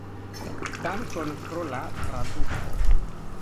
Dankon pro la traduko.